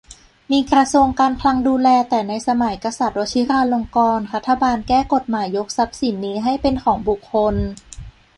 มีกระทรวงการคลังดูแล แต่ในสมัยกษัตริย์วชิราลงกรณ์ รัฐบาลแก้กฎหมายยกทรัพย์สินนี้ให้เป็นของบุคคล